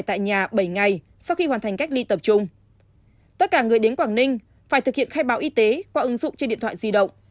tất cả người đến quảng ninh phải thực hiện khai báo y tế qua ứng dụng trên điện thoại di động